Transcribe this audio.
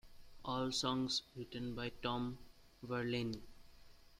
All songs written by Tom Verlaine.